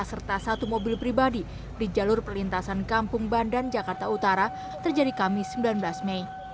serta satu mobil pribadi di jalur perlintasan kampung bandan jakarta utara terjadi kamis sembilan belas mei